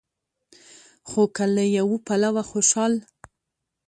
خو که له يوه پلوه خوشال